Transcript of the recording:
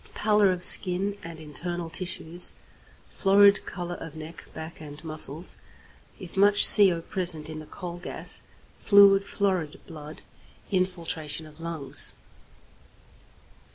_ Pallor of skin and internal tissues; florid colour of neck, back, and muscles, if much CO present in the coal gas; fluid florid blood; infiltration of lungs.